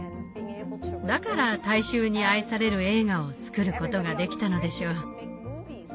だから大衆に愛される映画を作ることができたのでしょう。